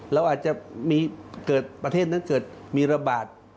เราอาจจะเกิดประเทศนั้นเกิดมีระบาด